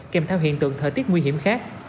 kèm theo hiện tượng thời tiết nguy hiểm khác